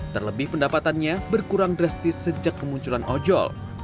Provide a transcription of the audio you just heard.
terlebih pendapatannya berkurang drastis sejak kemunculan ojol